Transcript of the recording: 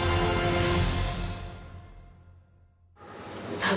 さあ